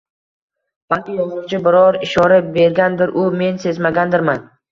Balki yozuvchi biror ishora bergandir-u, men sezmagandirman